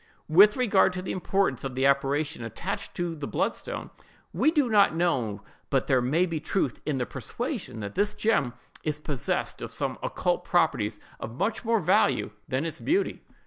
With regard to the importance the apparition attached to the bloodstone, we do not know but that there may be truth in the persuasion that this gem is possessed of some occult properties of much more value than its beauty.